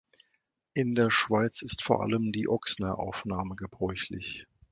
In der Schweiz ist vor allem die Ochsner-Aufnahme gebräuchlich.